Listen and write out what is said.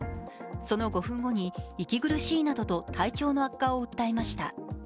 その５分後に息苦しいなどと体調の悪化を訴えました。